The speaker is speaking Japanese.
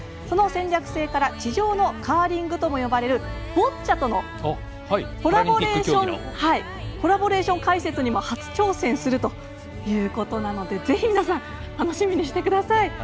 その戦略性から地上のカーリングとも呼ばれるボッチャとのコラボレーション解説にも初挑戦するということなのでぜひ皆さん楽しみにしてください。